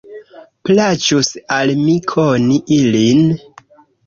Plaĉus al mi koni ilin.